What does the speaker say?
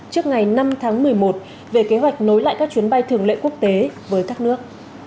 trước ngày năm tháng một mươi một về kế hoạch nối lại các chuyến bay thường lệ quốc tế với các nước